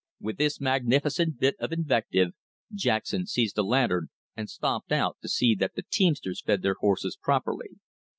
With this magnificent bit of invective, Jackson seized a lantern and stumped out to see that the teamsters fed their horses properly.